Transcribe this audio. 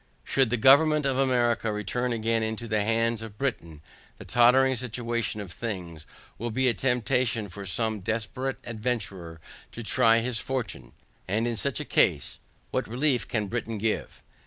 Should the government of America return again into the hands of Britain, the tottering situation of things, will be a temptation for some desperate adventurer to try his fortune; and in such a case, what relief can Britain give?